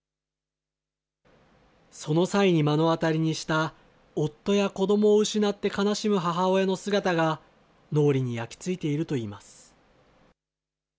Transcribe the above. その際に目の当たりにした、夫や子どもを失って悲しむ母親の姿が、脳裏に焼き付いているといいます。